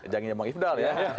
janginnya bang ifdal ya